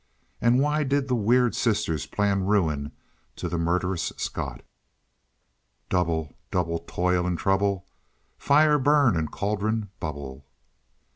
And why did the weird sisters plan ruin to the murderous Scot? Double, double toil and trouble, Fire burn and cauldron bubble.